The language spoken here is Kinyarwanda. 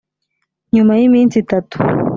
Nyuma y iminsi itatu